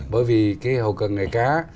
bởi vì cái hậu cận nghề cá